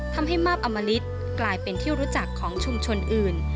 ทำให้มาบอมลิตรกลายเป็นที่รู้จักของชุมชนอื่น